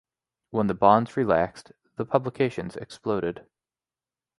When the bonds relaxed, the publications exploded.